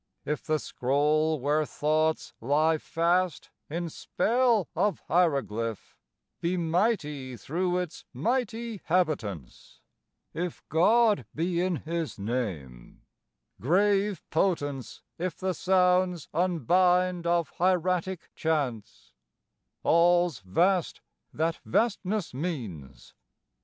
If the scroll Where thoughts lie fast in spell of hieroglyph Be mighty through its mighty habitants; If God be in His Name; grave potence if The sounds unbind of hieratic chants; All's vast that vastness means.